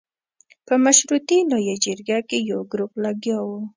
په مشورتي لویه جرګه کې یو ګروپ لګیا وو.